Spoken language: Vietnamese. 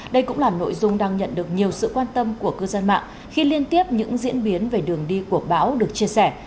đây cũng là nội dung đang nhận được nhiều sự quan tâm của cư dân mạng khi liên tiếp những diễn biến về đường đi của bão được chia sẻ